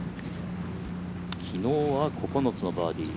昨日は９つのバーディー。